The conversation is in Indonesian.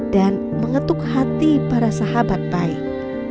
dan mengetuk hati para sahabat baik